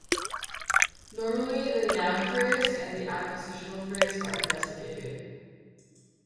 Normally, the noun phrase and the adpositional phrase are investigated.